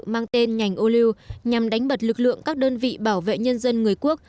mang tên ngành ô lưu nhằm đánh bật lực lượng các đơn vị bảo vệ nhân dân người quốc